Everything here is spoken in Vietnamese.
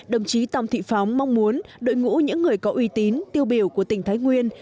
đồng chí tòng thị phóng mong muốn đội ngũ những người có uy tín tiêu biểu của tỉnh thái nguyên